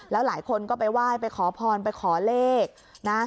แล้วหลายคนก็ไปไหว้ไปขอพรไปขอเลขนะ